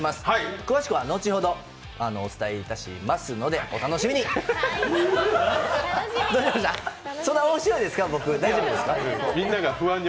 詳しくは後ほど詳しくお伝えしますのでお楽しみに。